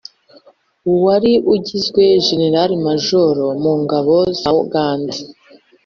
wari ugizwe jenerali majoro mu ngabo za uganda,